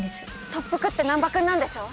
特服って難破君なんでしょ？